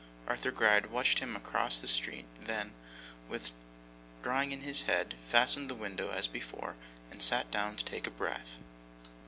Arthur Gride watched him across the street, and then, drawing in his head, fastened the window as before, and sat down to take breath.